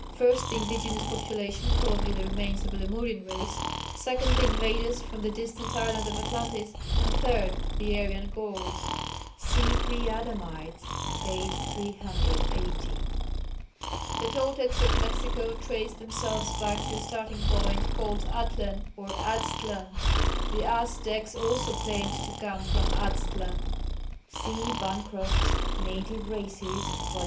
First, the indigenous population (probably the remains of a Lemurian race), second, the invaders from the distant island of Atlantis, and third, the Aryan Gauls (see Pre Adamites, p. 380). The Toltecs of Mexico traced themselves back to a starting point called Atlan or Aztlan; the Aztecs also claimed to come from Aztlan (see Bancroft's Native Races, vol.